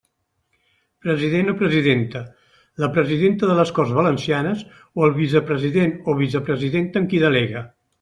President o presidenta: la presidenta de les Corts Valencianes o el vicepresident o vicepresidenta en qui delegue.